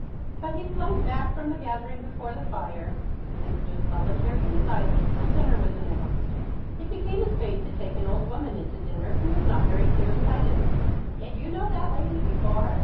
But he slunk back from the gathering before the fire, and stood solitary and silent till dinner was announced. It became his fate to take an old woman into dinner who was not very clearsighted. "Did you know that lady before?"